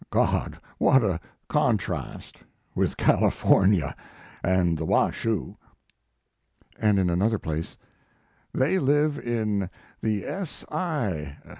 God, what a contrast with California and the Washoe! And in another place: They live in the S. I.